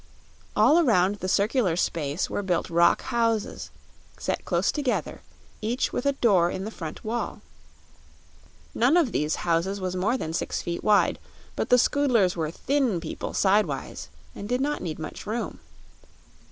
All around the circular space were built rock houses, set close together, each with a door in the front wall. None of these houses was more than six feet wide, but the Scoodlers were thin people sidewise and did not need much room.